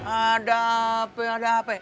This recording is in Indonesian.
ada apa ada apa